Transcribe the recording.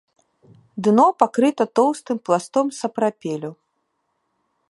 Дно пакрыта тоўстым пластом сапрапелю.